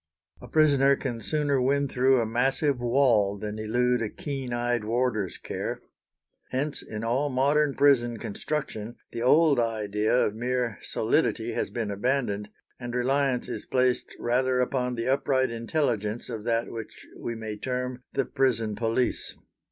A prisoner can sooner win through a massive wall than elude a keen eyed warder's care. Hence in all modern prison construction the old idea of mere solidity has been abandoned, and reliance is placed rather upon the upright intelligence of that which we may term the prison police.